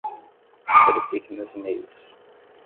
Verifique meus emails.